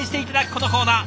このコーナー。